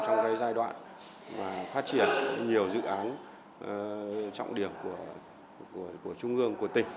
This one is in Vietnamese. trong giai đoạn phát triển nhiều dự án trọng điểm của trung ương của tỉnh